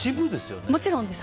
もちろんです。